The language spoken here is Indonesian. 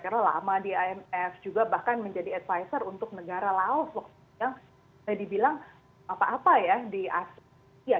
karena lama di imf juga bahkan menjadi advisor untuk negara laos yang sudah dibilang apa apa ya di asia